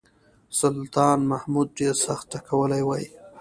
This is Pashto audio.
سلطان محمود ډېر سخت ټکولی وای.